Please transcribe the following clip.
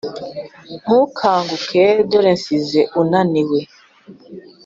ntukanguke dore nsize unaniwe.